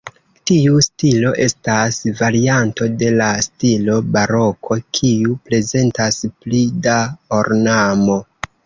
Tiu stilo estas varianto de la stilo baroko, kiu prezentas pli da ornamo.